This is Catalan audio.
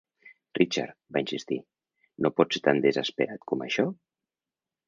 "Richard," vaig insistir, "no pot ser tan desesperat com això?"